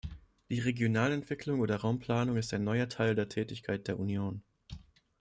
Die Regionalentwicklung oder Raumplanung ist ein neuer Teil der Tätigkeit der Union.